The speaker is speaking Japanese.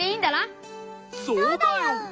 そうだよ！